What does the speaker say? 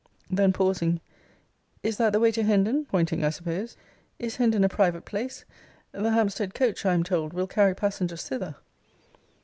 Then pausing, Is that the way to Hendon? [pointing, I suppose.] Is Hendon a private place? The Hampstead coach, I am told, will carry passengers thither.